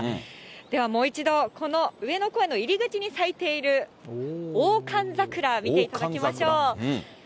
ではもう一度この上野公園の入り口に咲いている、オオカンザクラ、見ていただきましょう。